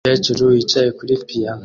Umukecuru wicaye kuri piyano